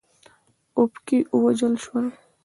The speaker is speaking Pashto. اوپکي ووژل شول.